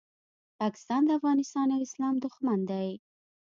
پاکستان د افغانستان او اسلام دوښمن دی